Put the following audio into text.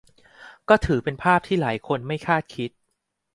ก็ถือเป็นภาพที่หลายคนไม่คาดคิด